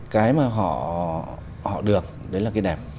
cái mà họ được đấy là cái đẹp